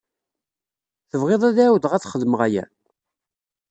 Tebɣiḍ ad ɛawdeɣ ad xedmeɣ aya?